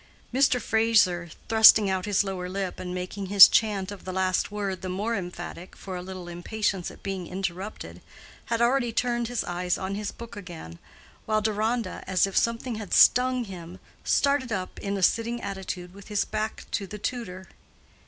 Mr. Fraser, thrusting out his lower lip and making his chant of the last word the more emphatic for a little impatience at being interrupted, had already turned his eyes on his book again, while Deronda, as if something had stung him, started up in a sitting attitude with his back to the tutor.